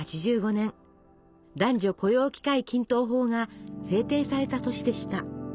男女雇用機会均等法が制定された年でした。